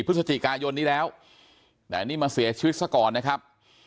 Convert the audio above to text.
พฤศจิกายนนี้แล้วแต่นี่มาเสียชีวิตซะก่อนนะครับ